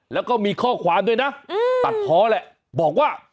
แล้วก็มีข้อความด้วยนะตัดเพาะแหละบอกว่า